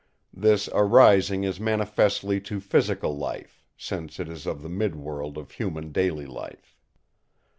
This arising is manifestly to physical life, since it is of the mid world of human daily life.